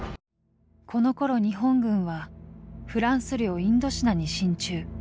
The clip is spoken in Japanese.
このころ日本軍はフランス領インドシナに進駐。